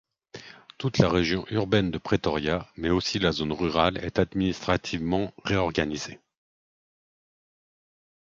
Toute la région urbaine de Pretoria, mais aussi la zone rurale, est administrativement réorganisée.